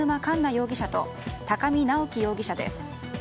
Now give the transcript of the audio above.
容疑者と高見直輝容疑者です。